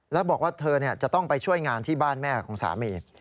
แล้วบอกว่าเธอจะต้องไปช่วยงานที่บ้านแม่ของสามี